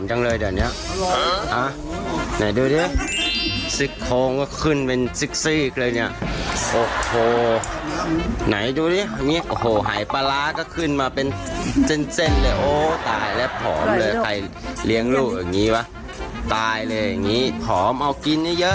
จังเลยเดี๋ยวเนี้ยไหนดูดิซิกโค้งก็ขึ้นเป็นซิกซีกเลยเนี่ยโอ้โหไหนดูดิโอ้โหหายปลาร้าก็ขึ้นมาเป็นเส้นเส้นเลยโอ้ตายแล้วผอมเลยใครเลี้ยงลูกอย่างนี้วะตายเลยอย่างนี้ผอมเอากินเยอะ